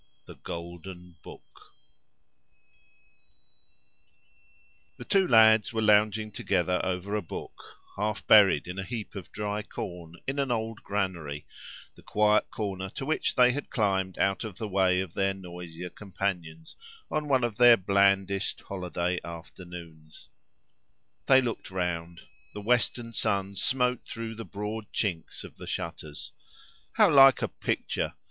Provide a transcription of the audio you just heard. THE GOLDEN BOOK The two lads were lounging together over a book, half buried in a heap of dry corn, in an old granary—the quiet corner to which they had climbed out of the way of their noisier companions on one of their blandest holiday afternoons. They looked round: the western sun smote through the broad chinks of the shutters. How like a picture!